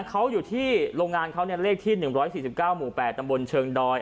เขาอยู่ที่โรงงานเขาเลขที่๑๔๙หมู่๘ตำบลเชิงดอย